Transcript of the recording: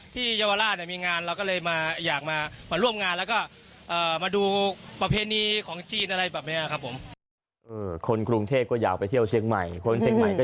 ที่เยาวราชมีงานเราก็เลยมา